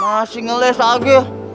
masih ngeles lagi